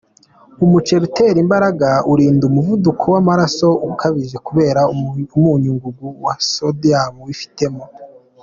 Umuceli utera imbaraga, urinda umuvuduko w’amaraso ukabije kubera umunyu ngugu wa sodium wifitemo.